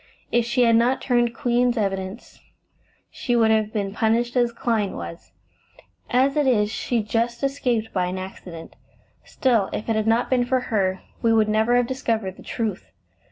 If she had not turned Queen's evidence, she would have been punished as Clyne was; as it is, she just escaped by an accident. Still, if it had not been for her, we should never have discovered the truth.